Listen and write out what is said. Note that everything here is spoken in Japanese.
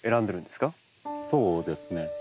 そうですね。